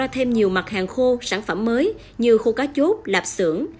thêm nhiều mặt hàng khô sản phẩm mới như khô cá chốt lạp sưởng